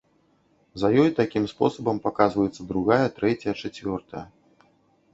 За ёй такім спосабам паказваецца другая, трэцяя, чацвёртая.